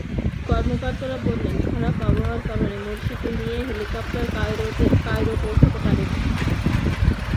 কর্মকর্তারা বলেছেন, খারাপ আবহাওয়ার কারণে মুরসিকে নিয়ে হেলিকপ্টার কায়রো পৌঁছাতে পারেনি।